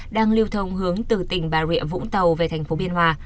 đang lưu thông hướng từ tỉnh bà rịa vũng tàu về thành phố biên hòa